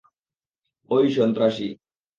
ঐ, সন্ত্রাসী!